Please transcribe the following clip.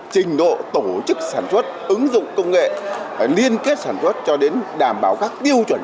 trình độ tổ chức sản xuất ứng dụng công nghệ liên kết sản xuất cho đến đảm bảo các tiêu chuẩn